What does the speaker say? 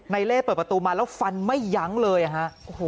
เล่เปิดประตูมาแล้วฟันไม่ยั้งเลยฮะ